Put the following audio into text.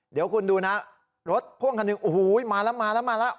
เดี๋ยวคุณดูนะรถพ่วงคันหนึ่งโอ้โหมาแล้วมาแล้วมาแล้ว